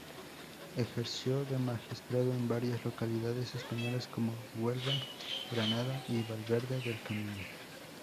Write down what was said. Ejerció de magistrado en varias localidades españolas como Huelva, Granada y Valverde del Camino.